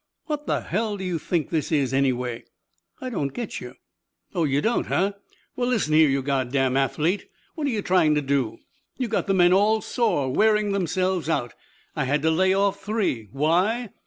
"What the hell do you think this is, anyway?" "I don't get you." "Oh, you don't, huh? Well, listen here, you God damned athlete, what are you trying to do? You got the men all sore wearing themselves out. I had to lay off three why?